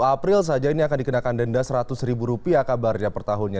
satu april saja ini akan dikenakan denda rp seratus kabarnya per tahunnya